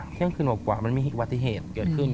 เที่ยงคืนหวับกว่ามันมีวัฒนิเหตุเกิดขึ้น